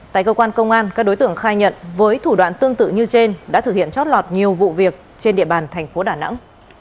tại cơ quan công an các đối tượng khai nhận với thủ đoạn tương tự như trên đã thực hiện chót lọt nhiều vụ việc trên địa bàn thành phố đà nẵng